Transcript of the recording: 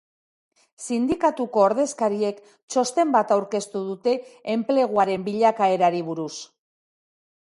Sindikatuko ordezkariek txosten bat aurkeztu dute enpleguaren bilakaerari buruz.